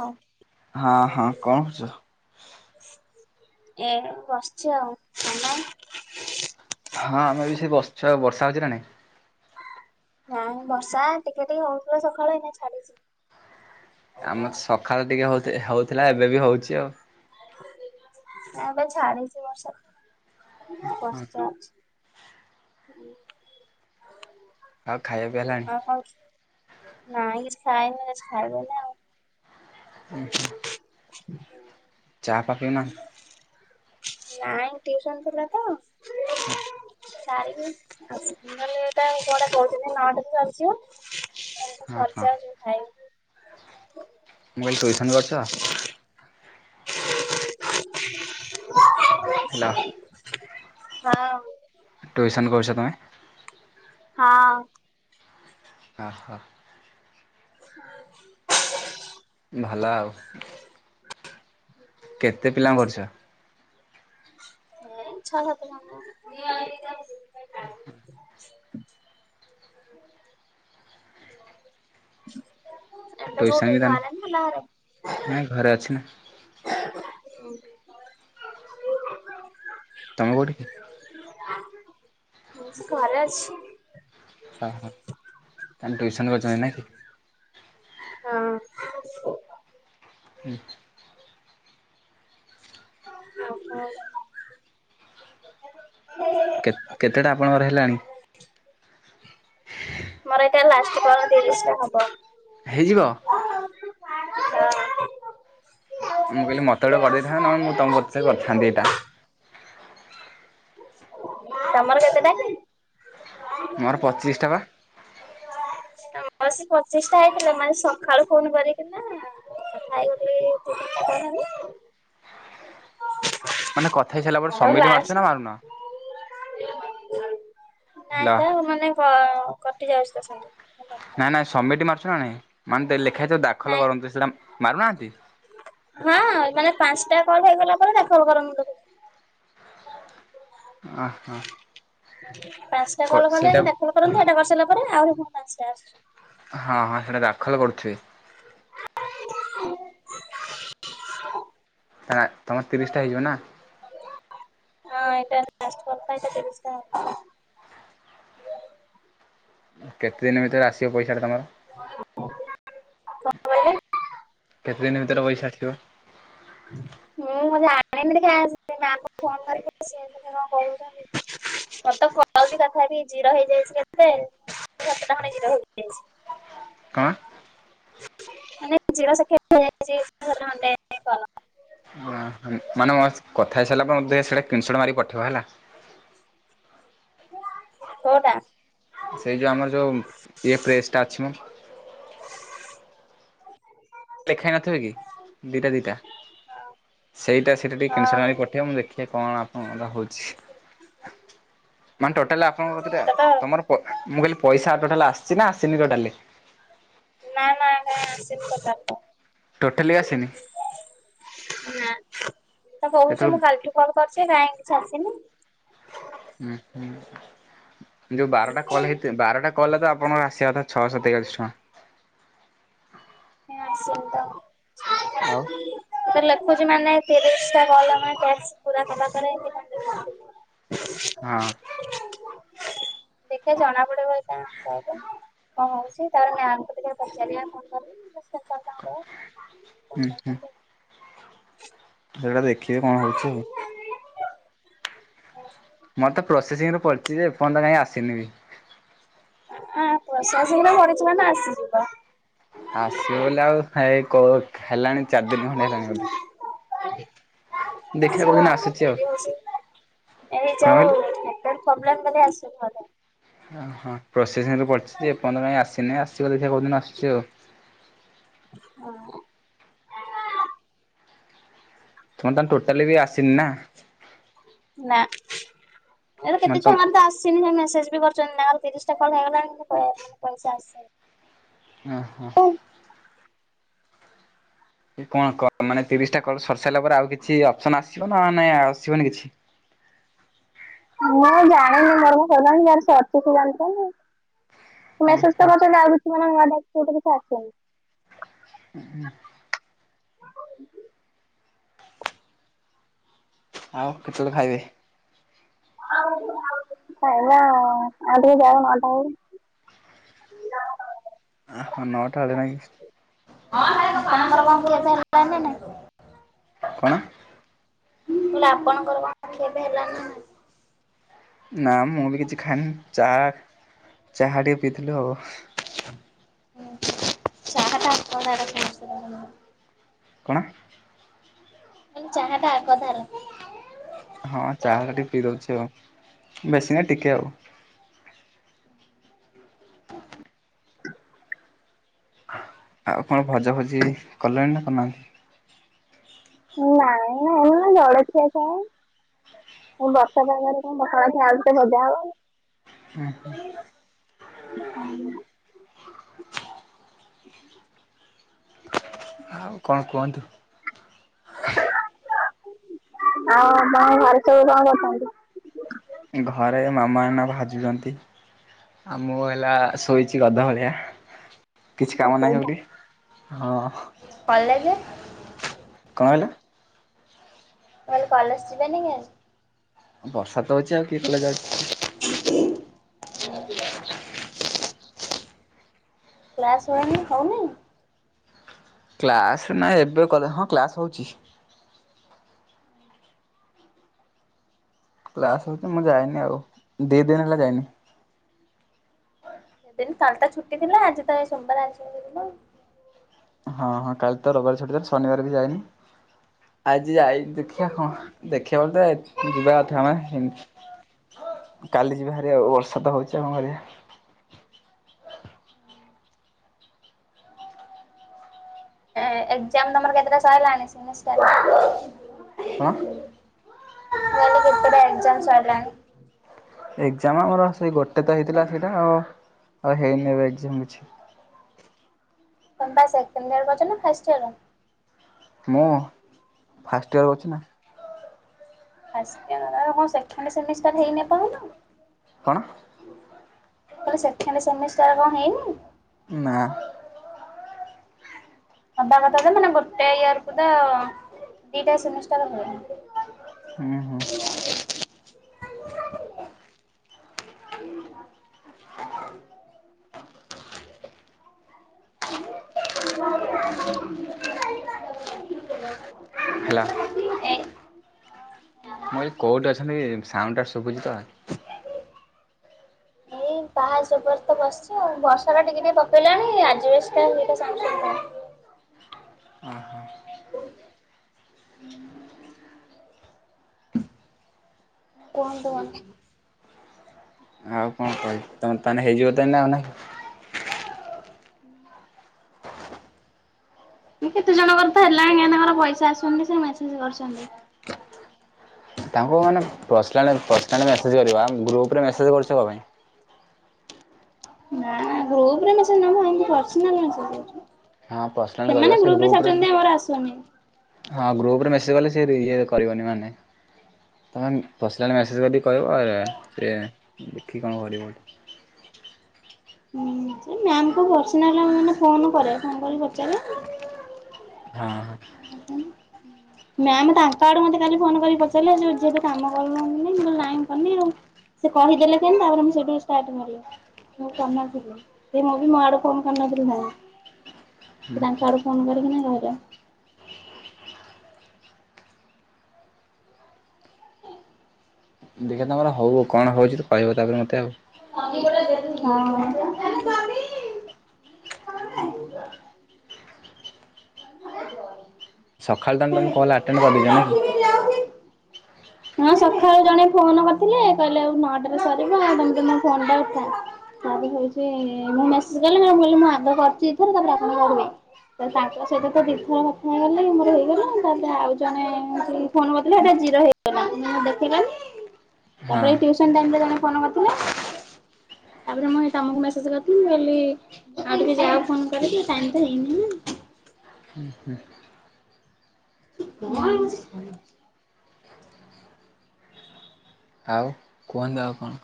ହଁ [inaudible] ଏ ବସ୍‌ଚି ଆଉ। ହଁ, ଆମେ ବି ସେଇ ବସ୍‌ ଆଉ, ବର୍ଷା ହଉଚି ନାଇଁ? ବର୍ଷା ଟିକେ ଟିକେ ହଉଥିଲା ସଖାଳୁ, ଏଇନା ଛାଡ଼ିଚି। ଆମ ସଖାଳେ ଟିକେ ହଉଥିଲା, ଏବେ ବି ହଉଚି ଆଉ। ହଁ [inaudible] ଆଉ ଖାଇବା ପିଇବା ହେଲାଣି? ଆ ହଛ [inaudible] ହୁଁ ହୁଁ ହ [unintelligible] ନାଇଁ ଟିଉସନ୍‌ ଥିଲା ତ। ହଁ [inaudible] ହଁ [unintelligible] ମୁଁ କ--ଲି ଟୁଇସନ୍ କ ହେଲା [inaudible] ଟୁଇସନ୍ କରିଛ ତମେ। ହଁ। [inaudible] [inaudible] ଭଲ ଆଉ। [inaudible] କେତେ ପିଲାଙ୍କୁ କରିଛ? ଛଲ ତ [inaudible] [inaudible] ଏଟେ ଟ୍ୟୁସନ୍ କୁଟି ବି ତାନେ ଆରନ ହେଲାରେ ନାଇଁ ଘରେ ଅଛି ନା [unintelligible] ତମେ କୋଉଠି? ସେ ଘରେ ଅଛି। ହଁ ହଁ। ତା ଟ୍ୟୁସନ୍ ହଁ। ହୁଁ। [inaudible] କେ କେତେଟା ଆପଣଙ୍କର ହେଲାଣି? [inaudible] ମୋର ଏଟା ଲାଷ୍ଟ କ ତିରିଶ ଟା ହବ। ହେଇଯିବ? [inaudible] ଆ ମୁଁ କହିଲି ମତେୋେ କରି ଦେଇଥାତା ନହ ମୁଁ ତମ ବତେ କରିଥାନ୍ତି। ତମର କେତେଟା? ମୋର ପଚିଶ ଟଙ୍କା। ବସ ପଚିଶଟା ହେଇଥିଲା ମାନେ ସକାଳୁ ଫୋନ କରିକିନା ଖାଇ ଗୋ କଣ ମାନେ କଥା ହେଇ ସାରିଲା ପରେ ସମୀର ମାରୁଛ ନା ମାରୁନ? ନାଇଁ ହେଲା ତ ମାନେ କଟି ଯାଉଛି ସାଙ୍ଗେ ନାଇଁ ନାଇଁ ସମିଟ ମାରୁଛୁ ନା ନାଇଁ ମାନେ ଲେଖା ହେଇ ଦାଖଲ ନାଇଁ କରନ୍ତୁ ସେଟା ମାରୁନାହାନ୍ତି। ହଁ ମାନେ ପାଞ୍ଚଟା କଲ ହେଇଗଲା ପରେ ଦାଖଲ କରନ୍ତୁ ତ ଓ ହୋ। ପାଞ୍ଚଟା କଲ କଲୋ କଲ କରନ୍ତୁ ଏଟା କରିସାରିଲା ପରେ ଆହୁରି ମୁଁ ପାଞ୍ଚଟା ଆସୁଛି। ହଁ ହଁ ସେଇଟା ଦାଖଲ କରୁଥିବେ। [inaudible] ନା ତମ ତିରିଶଟା ହେଇଯିବ ନା? ହଁ ଏଇଟା ଲାଷ୍ଟ କଲ ଏଇଟା ତିରିଶ ଟା କେତେ ଦିନ ଭିତରେ ଆସିବ ପଇସାଟା ତମର। [inaudible] କହିଲେ କେତେ ଦିନ ଭିତରେ ପଇସା ଆସିଥିବ? ହଁ ଜାଣିନ କାଇଁ ଅସିଅ ମାମ ଙ୍କୁ ଫୋନ କରିକି ପଚା କଣ କହୁଛନ୍ତି ମତେ କହୁଛି କଥା କି ଜିରା ହେଇଯାଇଛି କେତେ? [inaudible] କଣ? [unintelligible] ହଁ ହଁ ମାନେ କଥା ହେଇ ସାରିଲା ପରେ ମତେ ସେଇଟା କିଂଶଟ ମାରିକି ପଠେଇ ହେଲା। କୋଉଟା? ସେଇ ଯେଉ ଆମର ଯେଉଁ ଇଏ ପ୍ରେସ୍ ଟା ଅଛି ମ। ଲେଖା ହେ ନଥିବ କି ଦିଟା ଦିଟା ସେଇଟା ସେଟା ଟିକେ କିନସଟ ହଁ ପଠେଇବ ମୁଁ ଦେଖିବା କଣ ଆପଣଙ୍କର ହଉଚି। ମାନେ ଟୋଟାଲି ଆପଣଙ୍କ କେତେ ସେଟା ତ ଟା ତମର ମୁଁ କଇଲି ପଇସା ଟୋଟାଲ ଆସିଛି ନା ଆସିନି ଟୋଟାଲି। ନା-ନା-ନା ଆସିନି ଟୋଟାଲ ଟା। ଟୋଟାଲି ଆସିନି ନାଁ ତ କହୁଛି ଯେତେବେଳେ ମୁଁ କାଲିଠୁ କଣ କରୁଛେ କାହିଁ କିଛି ଆସିନି। ହୁଁ ହୁଁ ଯୋଉ ବାରଟା କଲ ହେଇଥ ବାରଟା କଲ ତ ଆପଣଙ୍କ ଆସିବା କଥା ଛଅଶ ତୋଆଳିଶୀ ଟଙ୍କା। କାଇଁ ଆସିନି ତ। ଆଉ ତ ଲେଖୁଛି ମାନେ ତିରିଶି ଟା କଲ ଆମେ କର୍ ପୁରା କଲା ପରେ ଏମିତି କନ୍ ହଁ [unintelligible] ଦେଖିବା ଜଣା ପଡିବ ଏଇ [unintelligible] କଣ ହଉଛି ତାର ମାମଙ୍କୁ ଟିକେ ପଚାରିବା ଫୋନ୍ କରିକି। ହୁଁ ହୁଁ। ସେଇଗୁଡ଼ା ଦେଖିବେ କଣ ହଉଛି ଆଉ। ମୋତ ତ ପ୍ରୋସେସିଂରୁରେ ପଡିଚି ଯେ ଏପର୍ଯୟନ୍ତ କାଇଁ ଆସିନି ବି। ଆଁ ପ୍ରୋସେସିଙ୍ଗ ରେ ପଡିଚି ମାନେ ଆସିଯିବ। ଆସିବ ଵେଲେ ଆଉ ଏଇ କଉ ହେଲାଣି ଚାରି ଦିନ ଖଣ୍ଡେ ହେଲାଣି। ବୋଧେ। [inaudible] ଦେଖିବା ଆସିବ କୋଉଦିନ ଆଉ ଆସୁଛି ଡେରି ହଉଚି। ଏଇ କଣ ଜଉ କହିଲ? କୋଉଠି ପ୍ରୋବ୍ଲେମ୍ ବୋଲି ଆସିବ ବୋଧେ ଓ ହଁ ପ୍ରୋସେସିଂରେ ପଡିଚି ଯେ ଏପର୍ଯ୍ୟନ୍ତ କାଇଁ ଆସିନି ଅସିବ ଦେଖିବା କେଉଦିନ ଆସୁଛି ଆଉ। ହଁ। ତମ ଟା ଟୋଟାଲି ବି ଆସିନି ନା? ନା ଆରେ ମାନେ କେତେ ତମ ଛୁଆ ମାନଙ୍କ ତ ଆସ ସିନି ମେସେଜ ବି କରଛନ୍ତି ମାମ ତିରିଶ ଟା କଲ୍ ହେଇଗଲାଣି ପଇସା ଆସିନି। ଓ ହୋ। ଏ କଣ କ ମାନେ ତିରିଶ ଟା କଲ ସରି ସାରିଲା ପରେ ଆଉ କିଛି ଅପସନ ଆସିବ ନା ନାଇଁ ଆସିବନି କିଛି। ମୁଁ ଜାଣିନି ମୋର୍ କନ୍ ସାରିଲାଣି ଯୋଉ ମାନଙ୍କ ସାରିଛି ସେମାନେ ଜାଣି ଥିବେ ନା। ମେସେଜ ତ କରିଛନ୍ତି ଆଉ କିଛି ମାନେ ନୂଆ [unintelligible] କିଛି ଆସୁନି। [inaudible] ଆଉ କେତେବେଳେ ଖାଇବେ? କାଇନା ଆଉ ଟିକେ ଯାଉ ନଅଟା ହଉ। ଓହୋ ନଅଟାରେ [inaudible] ହଁ। [inaudible] [unintelligible] କଣ? ମୁଁ କହିଲି ଆପଣଙ୍କର ଖିଆପିଆ ହେଲାଣି ନା ନାଇଁ? ନା ମୁଁ ବି କିଛି ଖାଇନି ଚା- ଚାହା ଟିକେ ପିଇଥିଲୁ ଆଉ। ହୁଁ ଚାହାଟା ଆପଣଙ୍କ ଆଡ଼େ [inaudible] କଣ? ଚାହାଟା ଆଗ ତାର। ହଁ ଚାହା ଟା ଟିକେ ପିଇଦଉଛି ଆଉ ବେଶୀ ନାଇଁ ଟିକେ ଆଉ। ଆଉ କଣ ଭଜା ଭଜି କଲେଣି ନା କରିନାହାନ୍ତି? ନାଇଁ ଆମର ଜାଳିଖିଆ ଖାଇନୁ ବର୍ଷା ପାଗରେ କଣ ପଖାଳ କୁ ଆଳୁଟେ ଭଜା ହବ। ହୁଁ ହୁଁ। [inaudible] ଆଉ କଣ କୁହନ୍ତୁ? ଆଉ ଆପଙ୍କ ଘରେ ସବୁ କଣ କରୁଛନ୍ତି? ଘରେ ମାମା ଏଇନା ଭାଜୁଯନ୍ତି ଆଉ ମୁଁ ହେଲା ଶୋଇଛି ଗଧ ଭଳିଆ। କିଛି ମୁଁ କାମ ନାହିଁ ସେଇଟା। ବୋଲି--ହଁ। କଲେଜ? କଣ [inaudible] କହିଲି କଲେଜ ଯିବେନି କି? ବର୍ଷା ତ ହଉଛି ଆଉ କିଏ କଲେଜ ଯାଉଛି? [unintelligible] କ୍ଲାସ ୱାରନିଂ ହଉନି? କ୍ଲାସ୍ ନା ଏବେ କଲେ ହଁ କ୍ଲାସ୍ ହେଉଛି। କ୍ଲାସ ହଉଛି ମୁଁ ଯାଇନି ଆଉ ଦି ଦିନ ହେଲା ଯାଇନି। ସେଦିନି କାଲିତ ଛୁଟି ଥିଲା ଆଜି ତ ସୋମବାର ଆଜିଠାରୁ ଯିବୁ ଆଉ। ହଁ ହଁ କାଲି ତ ରବିବାର ଛୁଟିଥିଲା ଶନିବାରେ ବି ଯାଇନି। ଆଜି ଯାଇନି ଦେଖିବା ଥିଲା। କଣ ଦେଖିବା ବୋଲି ତ ଯିବା କଥା ମାନେ ହେମିତି କାଲି ଯିବାହାରି ଆଉ ବର୍ଷା ତ ହଉଛି ଆଉ କଣ କରିବା। ହୁଁ। ଏକ୍ଜାମଟା ତମର କେତେଟା ସଇଲାଣି ସେମିଷ୍ଟାର? କଣ? ମୁଁ କହିଲି କେତେଟା ଏକ୍ଜାମ ସଇଲାଣି? ଏକ୍ଜାମ ଆମର ସେଇ ଗୋଟେ ତ ହେଇଥିଲା ସେଇଟା ଆଉ ହେଇନିଏବେ ଏକ୍ଜାମ କିଛି। ପ୍ରକାଶ ସେକେଣ୍ଡ ଇୟର କରୁଛି ନା ଫାଷ୍ଟ ଇୟର? ମୁଁ ଫାଷ୍ଟ ଇୟର କରୁଛି ନା। ଫାଷ୍ଟ ଇୟର କଣ ସେଖେଣ୍ଡ ସେମିଷ୍ଟାର ହେଇନି ଏପର୍ଯ୍ୟନ୍ତ? କଣ? ମୁଁ କହିଲି ସେଖେଣ୍ଡ ସେମିଷ୍ଟାର କଣ ହେଇନି? ନାପା। ହବା କଥା ତ ମାନେ ଗୋଟେ ଇୟର କୁ ତ ଦିଟା ସେମିଷ୍ଟାର ହୁଏ। ହୁଁ ହୁଁ ହୁଁ। [unintelligible] ହାଲୋ। ଏ ମୁଁ କହିଲି କଉଠି ଅଛନ୍ତିକି ସାଉଣ୍ଡଟା ସୁୁଭୁଜିତ? ଏଇ ପାହଚ ଉପରେ ତ ବସିଛୁ ଆଉ ବର୍ଷା ଟା ଟିକେ ଟିକେ ପକେଇଲାଣି ଅଜବେଷ୍ଟ [unintelligible] ଅହ। କଣ କୁହନ୍ତି? ଆଉ କଣ କହିବି ତମେ ତାହେନେ ହେଇଯିବ ତ ଆଉ ଏଇନା ନକଣ? [unintelligible] ମୁ କେତେ ଜଣଙ୍କରତ ହେଲାଣି ଆଜ୍ଞା ତାଙ୍କର ପଇସା ଆସୁଛନ୍ତି ସେ ମେସେଜ କରୁଛନ୍ତି। ତାଙ୍କୁ ମାନେ ପର୍ସନାଲ୍ ପର୍ସନାଲ ମେସେଜ୍ କରିବ ଗ୍ରୁପ ରେ ମେସେଜ୍ କରୁଛ କଣ ପାଇଁ। ନା ଗ୍ରୁପ ରେ ମସେଜ ନୁହେଁ ନା ଏମିତି ପ୍ରସନାଲ ମେସେଜ ଜାଉଛି। ହଁ ପର୍ସନାଲ କରିବା ସେମାନେ ସେ ଗ୍ରୁପ ରେ ଛାଡୁ ଗ୍ରୁପରେ ଛନ୍ତି ଯେ ମୋର ଆସୁନି। ହଁ ଗ୍ରୁପ ରେ ମେସଜ୍ କଲେ ସେ ଇଏ କରିବନି ମାନେ? ତମେ ପର୍ସନାଲ୍ ମେସେଜ୍ କରିକି କହିବ ଆର୍ ସେ ଦେଖିକି କଣ କରିବ ଗଟେ। ହୁଁ ସେ ମ୍ୟାମ କୁ ପର୍ସନାଲ ନ ମାନେ ଫୋନ କରେ ଫୋନ କରି ପଚାରେ। ହଁ ହଁ। ଉଁ ହୁଁ। ମ୍ୟାମ ତାଙ୍କ ଆଡୁ ମତେ କାଲି ଫୋନ କରି ପଚାରିଲେ ଝିଅ ତୁ କାମ କରୁନୁ ମୁଁ କହିଲି ନାଇଁ ମୁଁ କରୁନି। ସେ କହିଦେଲେ କେମିତି ତାପରେ ମୁଁ ସେଠୁ ଷ୍ଟାର୍ଟ ମାରିଲି। ମୁଁ କରିନଥିଲି ସେ ମୁଁ ବି ମୋଆଦୁ ଫୋନ୍ କରିନଥିଲି ମୁଁ ସେ ତାଙ୍କ ଆଡୁ ଫୋନ କରିକିନା ଘର ଓକେ। ଦେଖିଆ ତୁମର ହେଉ କଣ ହେଉଛି ତ କହିବ ତାପରେ ମୋତେ ଆଉ। ହୁଁ [unintelligible] ଁ [inaudible] ସକାଳ ତାହାଲେ ତମେ କଲ ଆଟେଣ୍ଡ କରିଦେଇଛ ନା କି? ହଁ ସକାଳୁ ଜଣେ ଫୋନ କରିଥିଲେ କହିଲେ ଆ ନଅଟରେ ସରିବ ଆଉ ତମେ ତ ମୋ ଫୋନ୍ ଟା ଉଠା। ତାପରେ ହଉଛି ମୁଁ ମେସେଜ କଲି କହିଲି ମୁଁ ଆଗ କରିଛି ଏଥରେ ତାପରେ ଆପଣ କରିବେ। ତ ତାଙ୍କ ସହିତ ତ ଦିଇଥର କଥା ହେଇଗଲେ ମୋର ହେଇଗଲା ତାପରେ ଆଉ ଜଣେ ଫୋନ୍ କରିଥିଲେ ସେଟା ଜିରୋ ହେଇ ଦେଖିଲନି ହଁ ତାପରେ ଟ୍ୟୁସନ ଟାଇମରେ ଜଣେ ଫୋନ କରିଥିଲା। ତାପରେ ମୁଇଁ ତମକୁ ମେସେଜ କରିଥିଲି କହଲି ଆଉ ଟିକେ ଯାହାକୁ ଫୋନ କରିକ ଟାଇମ ତ ହେଇନି। ହୁଁ। [unintelligible] ଆଉ କୁହନ୍ତୁ ଆଉ କଣ?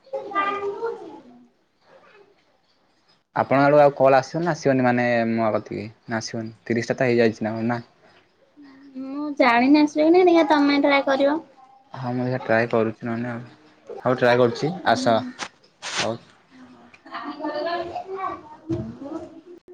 [unintelligible] ଆପଣ ଆଡୁ ଆଉ କଲ୍ ଆସିବନା ନା ଆସିବନି ମାନେ ମୋ କତିକି ନା ଆସିବନି ତିରିଶଟା ତ ହେଇଯାଇଛି କଣ ନା? ମୁଁ ଜାଣିନି ଆସିବ ନାଇ ଦେଖିଆ ତମେ ଟ୍ରାଏ କରିବ। ହଁ ମୁଁ ଯ ଟ୍ରାଏ କରୁଛି ନହେଲେ ହଉ ଟ୍ରାଏ କରୁଛି ଆସ। ହଉ